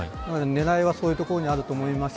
狙いはそういうところにあると思います。